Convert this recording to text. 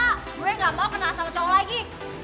gue gak mau kenal sama cowok lagi